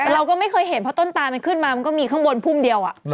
เราก็ไม่เคยเห็นเพราะต้นตามันขึ้นมามันก็มีข้างบนพุ่มเดียว